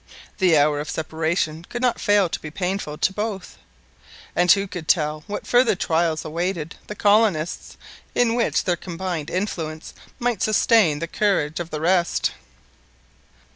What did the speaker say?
The hour of separation could not fail to be painful to both; and who could tell what further trials awaited `the colonists, in which their combine, influence might sustain the courage of the rest?